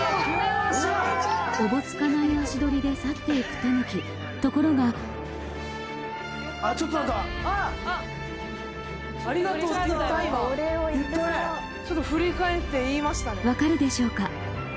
おぼつかない足取りで去っていくタヌキところが分かるでしょうか？